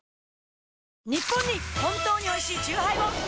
ニッポンに本当においしいチューハイを！